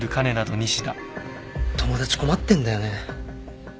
友達困ってんだよね。